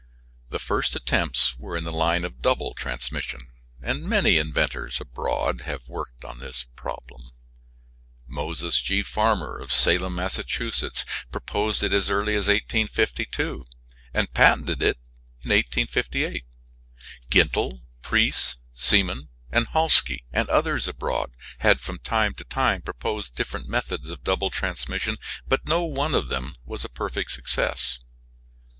The first attempts were in the line of double transmission, and many inventors abroad have worked on this problem. Moses G. Farmer of Salem, Mass., proposed it as early as 1852, and patented it in 1858. Gintl, Preece, Siemens and Halske and others abroad had from time to time proposed different methods of double transmission, but no one of them was a perfect success.